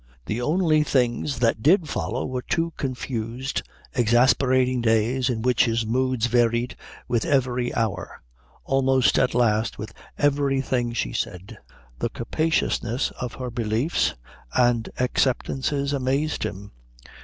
The only things that did follow were two confused exasperating days in which his moods varied with every hour, almost at last with everything she said. The capaciousness of her beliefs and acceptances amazed him.